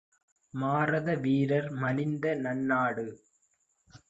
மாரத வீரர் மலிந்தநன் னாடு